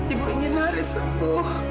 ibu ingin haris sembuh